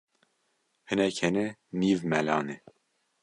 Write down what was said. Hinek hene nîv mela ne